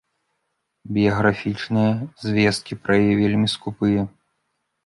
Біяграфічныя звесткі пра яе вельмі скупыя.